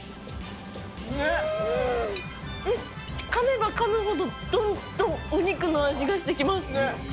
うん、噛めば噛むほど、どんどんお肉の味がしてきます。